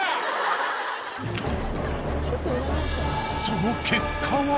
その結果は。